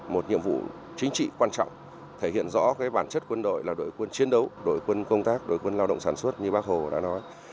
một nhiệm vụ chính trị quan trọng thể hiện rõ bản chất quân đội là đội quân chiến đấu đội quân công tác đội quân lao động sản xuất như bác hồ đã nói